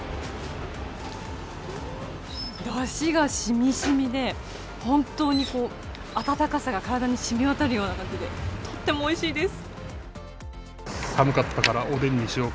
だしがしみしみで、本当に温かさが体に染み渡る感じでとってもおいしいです。